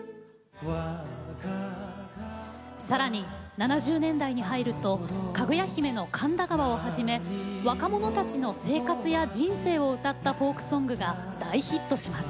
さらに７０年代に入るとかぐや姫の「神田川」をはじめ若者たちの生活や人生を歌ったフォークソングが大ヒットします。